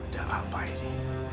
dan apa ini